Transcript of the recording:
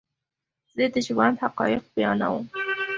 زه دژوند حقایق بیانوم